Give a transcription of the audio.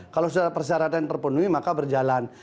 kalau sudah persyaratan terpenuhi maka berjalan